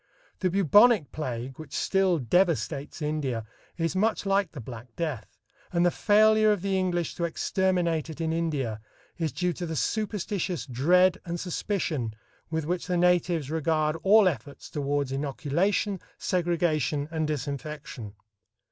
The "bubonic plague," which still devastates India, is much like the "black death," and the failure of the English to exterminate it in India is due to the superstitious dread and suspicion with which the natives regard all efforts toward inoculation, segregation and disinfection.